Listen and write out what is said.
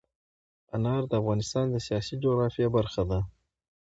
انار د افغانستان د سیاسي جغرافیه برخه ده.